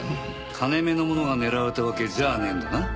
金目のものが狙われたわけじゃねえんだな。